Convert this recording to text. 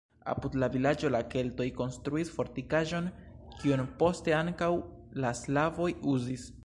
Apud la vilaĝo la keltoj konstruis fortikaĵon, kiun poste ankaŭ la slavoj uzis.